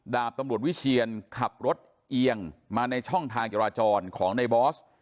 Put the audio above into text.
ดาบตำรวจวิเชียนขับรถเอียงมาในช่องทางจราจรของในบอส